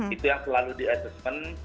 itu yang selalu di assessment